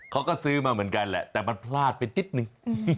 เขาก็ซื้อมาเหมือนกันแหละแต่มันพลาดไปนิดนึง